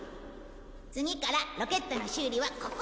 次からロケットの修理はここでやろう。